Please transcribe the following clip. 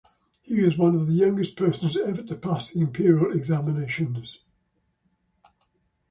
He was one of the youngest persons ever to pass the Imperial examinations.